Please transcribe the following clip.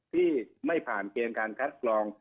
ที่ไม่ผ่านเกณฑ์การคัดกรอง